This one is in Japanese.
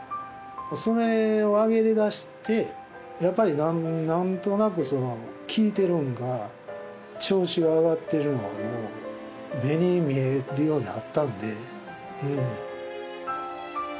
それをあげれだしてやっぱりなんとなくその効いてるんか調子が上がってるのはもう目に見えるようになったんで。